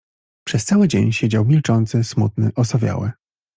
Przez cały dzień siedział milczący, smutny, osowiały.